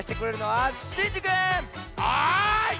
はい！